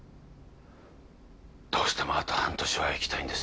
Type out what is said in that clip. どうしてもあと半年は生きたいんです